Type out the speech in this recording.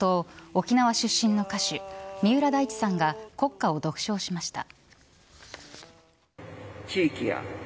沖縄出身の歌手、三浦大知さんが国歌を独唱しました。